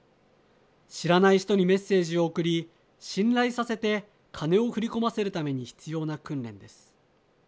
知らない人にメッセージを送り信頼させて金を振り込ませるために必要な訓練です。